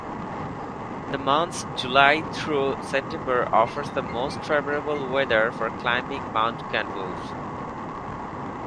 The months July through September offer the most favorable weather for climbing Mount Gandalf.